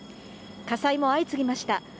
火災も相次ぎました。